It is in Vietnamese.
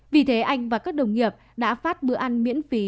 vì thế anh và các đồng nghiệp đã phát bữa ăn miễn phí